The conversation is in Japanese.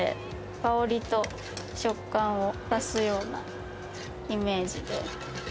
香りと食感を足すようなイメージで。